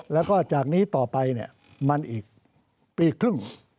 แล้วก็จากนี้ต่อไปเนี่ยมันอีกปีครึ่ง